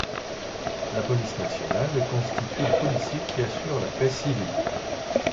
La police nationale est constituée de policiers qui assurent la paix civile.